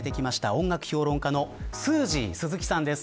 音楽評論家のスージー鈴木さんです。